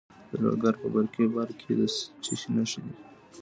د لوګر په برکي برک کې د څه شي نښې دي؟